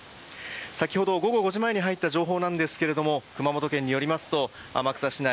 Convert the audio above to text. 先ほど午後５時前に入った情報ですが熊本県によりますと天草市内